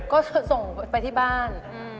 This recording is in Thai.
ก็ส่งไปที่บ้าน